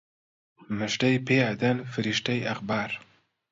موژدەی پێ ئەدەن فریشتەی ئەخبار